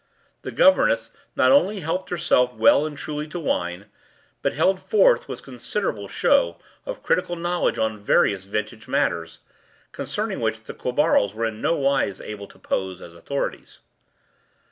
The governess not only helped herself well and truly to wine, but held forth with considerable show of critical knowledge on various vintage matters, concerning which the Quabarls were in no wise able to pose as authorities.